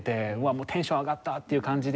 もうテンション上がった！っていう感じで。